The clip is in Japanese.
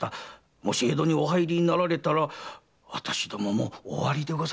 もし江戸にお入りになられたら私どもも終わりでございますから。